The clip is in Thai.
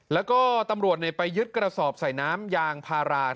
แล้วก็ตำรวจไปยึดกระสอบใส่น้ำยางพารา